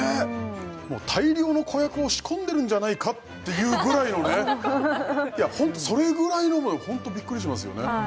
大量の子役を仕込んでるんじゃないかっていうぐらいのねいやホントそれぐらいのホントびっくりしますよね